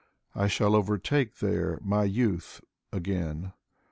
I shall overtake there My young youth again.